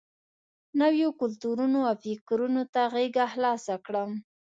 نویو کلتورونو او فکرونو ته غېږه خلاصه کړم.